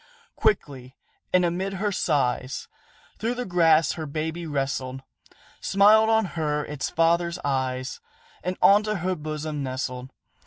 Quickly, and amid her sighs, Through the grass her baby wrestled, Smiled on her its father's eyes, And unto her bosom nestled.